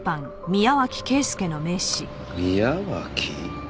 宮脇？